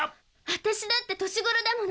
私だって年頃だもの。